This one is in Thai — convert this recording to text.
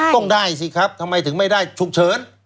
ต้องได้สิครับทำไมถึงไม่ได้ฉุกเฉิน